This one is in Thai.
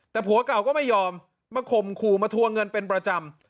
แต่ผัวเก่าก็ไม่ยอมมาข่มขู่มาทวงเงินเป็นประจำ